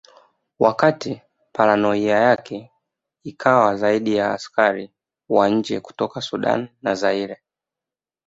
Wakati paranoia yake ikawa zaidi ya askari wa nje kutoka Sudan na Zaire